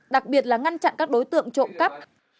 đặc biệt là ngăn chặn các đối tượng trộm cắp